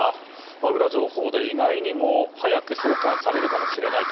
ウラ情報で意外にも早く送還されるかもしれないと。